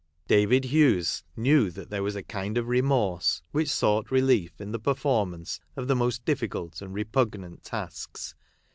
David Hughes knew there was a kind of remorse which sought relief in the perfor mance of the most difficult and repugnant tasks.